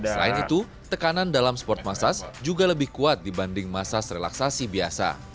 selain itu tekanan dalam sport massas juga lebih kuat dibanding masas relaksasi biasa